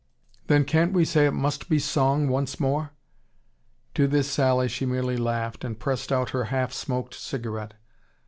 "Then can't we say it must be SONG once more?" To this sally she merely laughed, and pressed out her half smoked cigarette.